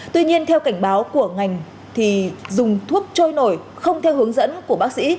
tuy nhiên theo cảnh báo của ngành thì dùng thuốc trôi nổi không theo hướng dẫn của bác sĩ